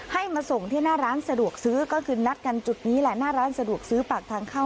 ให้มาส่งที่หน้าร้านสะดวกซื้อก็คือนัดกันจุดนี้แหละหน้าร้านสะดวกซื้อปากทางเข้า